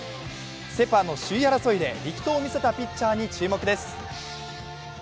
セ・パの首位争いで力投を見せたピッチャーに注目です。